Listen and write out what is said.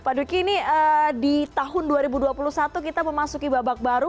pak duki ini di tahun dua ribu dua puluh satu kita memasuki babak baru